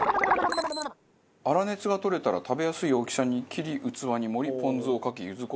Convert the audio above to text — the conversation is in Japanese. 粗熱が取れたら食べやすい大きさに切り器に盛りポン酢をかけ柚子胡椒を添えたら完成。